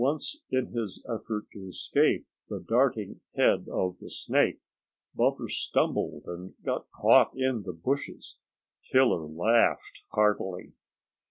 Once in his effort to escape the darting head of the snake, Bumper stumbled and got caught in the bushes. Killer laughed heartily.